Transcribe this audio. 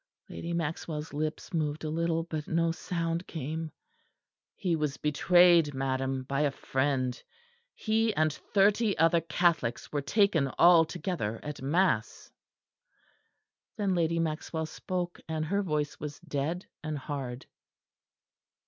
Lady Maxwell's lips moved a little; but no sound came. "He was betrayed, madam, by a friend. He and thirty other Catholics were taken all together at mass." Then Lady Maxwell spoke; and her voice was dead and hard.